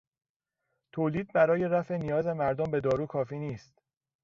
تولید برای رفع نیاز مردم به دارو کافی نیست.